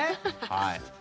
はい。